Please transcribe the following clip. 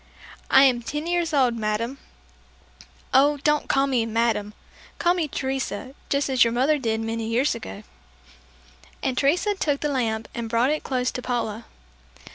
"I am ten years old, madame." "Oh, don't call me 'madame.' Call me Teresa, just as your mother did many years ago." And Teresa took the lamp and brought it close to Paula.